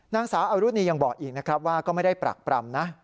นางสาวอรุณียังบอกอีกนะครับว่าก็ไม่ได้ปรักปรำนะ